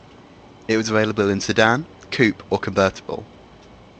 It was available in sedan, coupe or convertible.